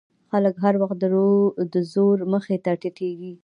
خلک هر وخت د زور مخې ته ټیټېږي.